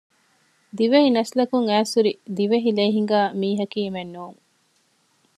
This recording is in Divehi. ދިވެހި ނަސްލަކުން އައިސްހުރި ދިވެހި ލޭހިނގާ މީހަކީމެއް ނޫން